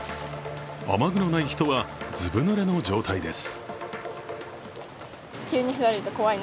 雨具のない人はずぶぬれの状態です。